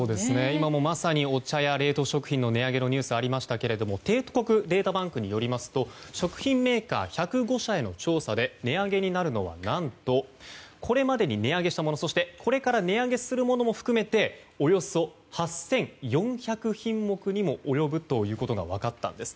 今まさにお茶や冷凍食品の値上げのニュースありましたけれども帝国データバンクによりますと食品メーカー１０５社への調査で値上げになるのは何と、これまでに値上げしたものそして、これから値上げするものも含めておよそ８４００品目に及ぶことが分かったんです。